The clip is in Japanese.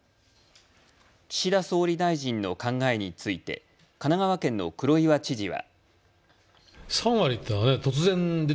岸田総理大臣の考えについて神奈川県の黒岩知事は。